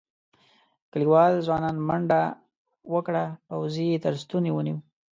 کليوال ځوان منډه وکړه پوځي یې تر ستوني ونيو.